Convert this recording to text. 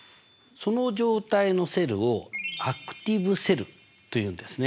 その状態のセルをアクティブセルというんですね。